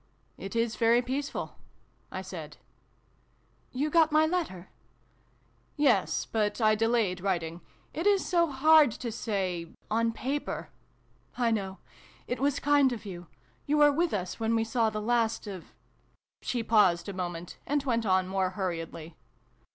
" It is very peaceful," I said. " You got my letter ?"" Yes, but I delayed writing. It is so hard to say on paper "" I know. It was kind of you. You were with us when we saw the last of She paused a moment, and went on more hurriedly.